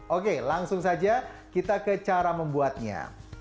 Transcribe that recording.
oke langsung saja kita ke cara membuatnya